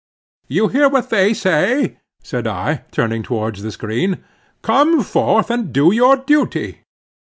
"You hear what they say," said I, turning towards the screen, "come forth and do your duty."